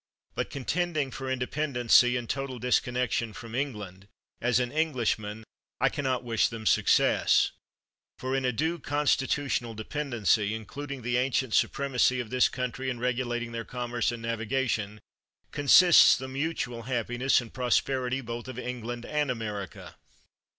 But, contending for independency and total disconnection from Eng land, as an Englishman. I can not wish them success; for in a due constitutional dependency, including the ancient supremacy of this coun try in regulating their commerce and naviga tion, consists the mutual happiness and pros perity both of England and America.